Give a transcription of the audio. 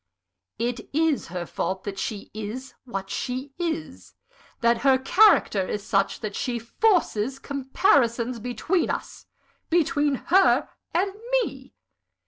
"It is her fault that she is what she is! that her character is such that she forces comparisons between us between her and _me!